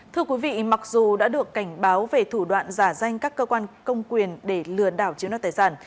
thưa quý vị mặc dù đã được cảnh báo về thủ đoạn giả danh các cơ quan công quyền để lừa đảo chiếu nọt tài sản